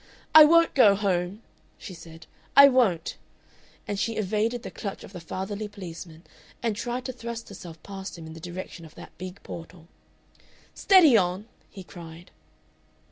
"I won't go home," she said; "I won't!" and she evaded the clutch of the fatherly policeman and tried to thrust herself past him in the direction of that big portal. "Steady on!" he cried.